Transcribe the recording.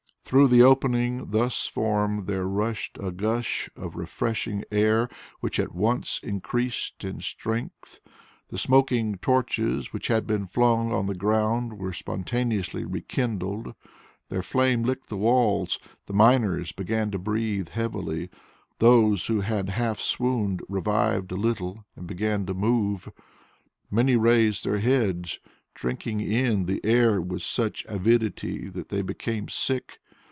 Through the opening thus formed there rushed a gust of refreshing air which at once increased in strength. The smoking torches which had been flung on the ground were spontaneously re kindled. Their flame licked the walls. The miners began to breathe heavily; those who had half swooned revived a little and began to move. Many raised their heads, drinking in the air with such avidity that they became sick.